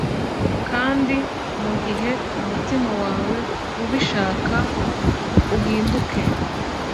kandi mugihe umutima wawe ubishaka uhindutse